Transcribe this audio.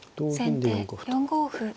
先手４五歩。